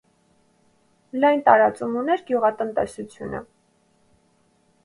Լայն տարածում ուներ գյուղատնտեսությունը։